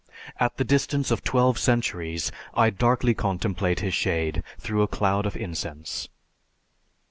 At the distance of twelve centuries, I darkly contemplate his shade through a cloud of incense."